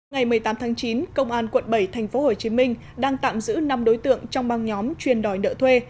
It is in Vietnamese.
ngày một mươi tám tháng chín công an quận bảy tp hcm đang tạm giữ năm đối tượng trong băng nhóm chuyên đòi nợ thuê